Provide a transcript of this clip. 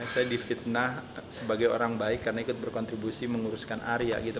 saya difitnah sebagai orang baik karena ikut berkontribusi menguruskan arya gitu